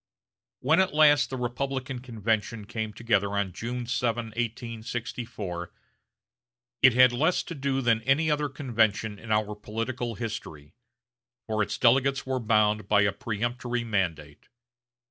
When at last the Republican convention came together on June 7, 1864, it had less to do than any other convention in our political history; for its delegates were bound by a peremptory mandate.